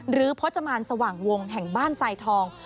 พจมานสว่างวงแห่งบ้านทรายทอง